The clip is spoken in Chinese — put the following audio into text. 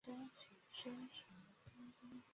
卡拉季城内居民以波斯人为主。